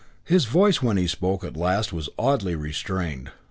His voice when he spoke at last was oddly restrained.